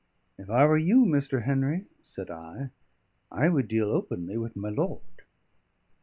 "If I were you, Mr. Henry," said I, "I would deal openly with my lord."